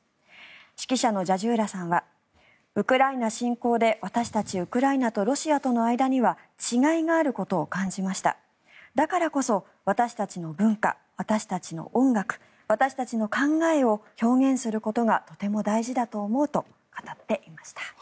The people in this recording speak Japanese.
指揮者のジャジューラさんはウクライナ侵攻で私たちウクライナとロシアとの間には違いがあることを感じましただからこそ私たちの文化、私たちの音楽私たちの考えを表現することがとても大事だと思うと語っていました。